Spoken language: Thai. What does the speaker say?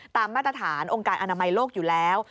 มาตรฐานองค์การอนามัยโลกอยู่แล้ว